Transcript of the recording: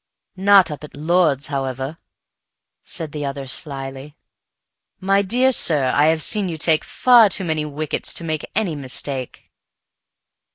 "Not up at Lord's, however!" said the other, slyly. "My dear sir, I have seen you take far too many wickets to make any mistake!"